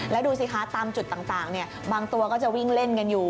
แล้วดูสิคะตามจุดต่างบางตัวก็จะวิ่งเล่นกันอยู่